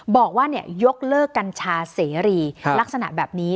บอกว่ายกเลิกกัญชาเสรีลักษณะแบบนี้